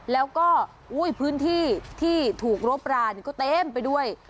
แล้วก็พื้นที่ที่ถูกรบราก็เต็มไปด้วย